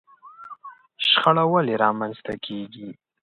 شخړه ولې رامنځته کېږي؟